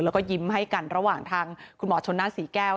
แล้วก็ยิ้มให้กันระหว่างทางคุณหมอชนน่าศรีแก้ว